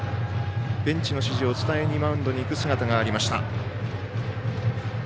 ベンチの指示をマウンドに伝えにいく姿がありました。